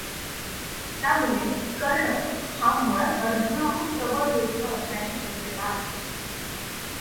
त्यामुळे, कर्ण हा मुळात अर्जुनाहून प्रबळ योद्धा असण्याची शक्यता आहे.